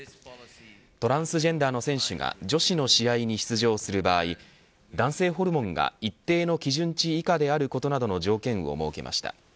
トランスジェンダーの選手が女子の試合に出場する場合男性ホルモンが一定の基準値以下であることなどの条件を設けました。